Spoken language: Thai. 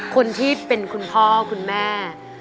คนที่เป็นคุณพ่อคุณแม่